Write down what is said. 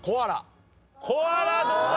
コアラどうだ？